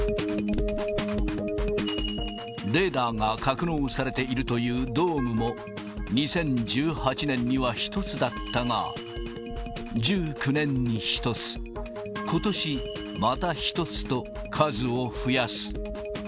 レーダーが格納されているというドームも、２０１８年には１つだったが、１９年に１つ、ことしまた１つと、数を増やす。